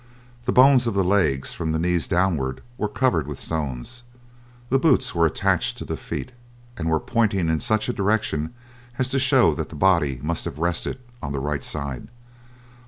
The bones of the legs from the knees downward were covered with stones. The boots were attached to the feet, and were pointing in such a direction as to show that the body must have rested on the right side.